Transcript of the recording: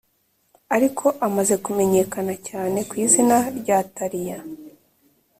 ariko amaze kumenyekana cyane ku izina rya talia.